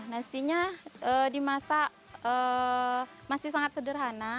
nasinya dimasak masih sangat sederhana